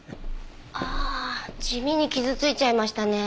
ああ地味に傷ついちゃいましたね。